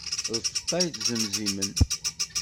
Lfeṭṭa ittzemzimen.